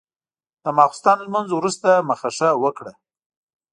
د ماسخوتن لمونځ وروسته مخه ښه وکړه.